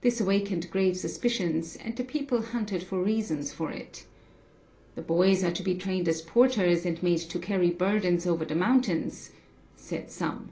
This awakened grave suspicions, and the people hunted for reasons for it. 'The boys are to be trained as porters, and made to carry burdens over the mountains,' said some.